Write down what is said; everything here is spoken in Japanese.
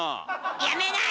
やめない！